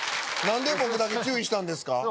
何で僕だけ注意したんですか？